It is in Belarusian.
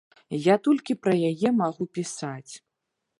Я толькі пра яе магу пісаць.